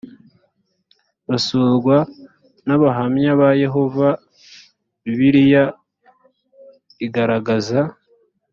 basurwa n abahamya ba yehova bibiliya igaragaza